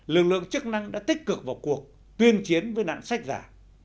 lực lượng chức năng đã tích cực vào cuộc tuyên chiến với nạn sách giả